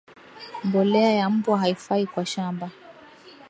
Mbolea ya mbwa haifai kwa shamba